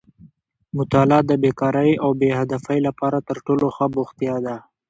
مطالعه د بېکارۍ او بې هدفۍ لپاره تر ټولو ښه بوختیا ده.